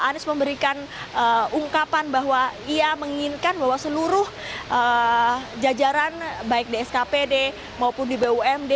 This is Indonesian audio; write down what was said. anies memberikan ungkapan bahwa ia menginginkan bahwa seluruh jajaran baik di skpd maupun di bumd